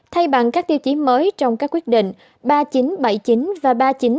thay bằng các tiêu chí mới trong các quyết định ba nghìn chín trăm bảy mươi chín và ba nghìn chín trăm tám mươi chín